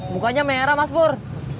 mukanya merah mas pur